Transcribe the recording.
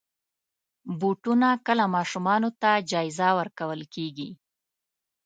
بوټونه کله ماشومانو ته جایزه ورکول کېږي.